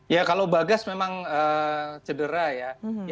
ya kalau bagas memang cedera ya